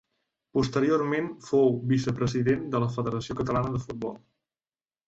Posteriorment fou vicepresident de la Federació Catalana de Futbol.